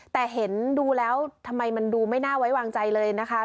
แต่เห็นดูแล้วทำไมมันดูไม่น่าไว้วางใจเลยนะคะ